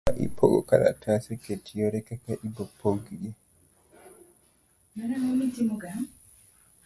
Sama ipogo kalatese, ket yore kaka ibopoggi.